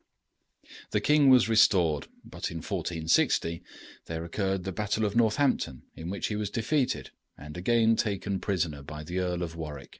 The king was restored; but in 1460 there occurred the battle of Northampton, in which he was defeated and again taken prisoner by the Earl of Warwick.